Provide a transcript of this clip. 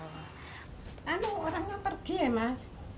lalu orangnya pergi ya mas